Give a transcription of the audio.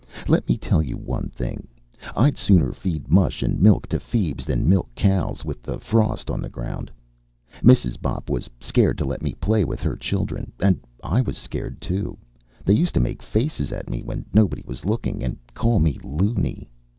Let me tell you one thing. I'd sooner feed mush and milk to feebs than milk cows with the frost on the ground. Mrs. Bopp was scared to let me play with her children. And I was scared, too. They used to make faces at me when nobody was looking, and call me "Looney."